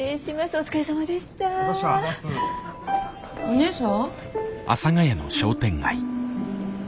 お姉さん？